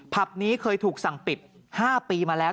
นี้เคยถูกสั่งปิด๕ปีมาแล้ว